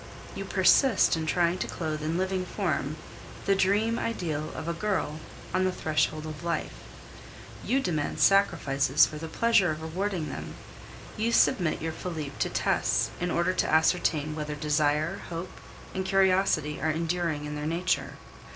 You persist in trying to clothe in living form the dream ideal of a girl on the threshold of life; you demand sacrifices for the pleasure of rewarding them; you submit your Felipe to tests in order to ascertain whether desire, hope, and curiosity are enduring in their nature.